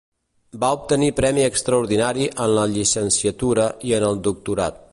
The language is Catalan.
Va obtenir Premi Extraordinari en la Llicenciatura i en el Doctorat.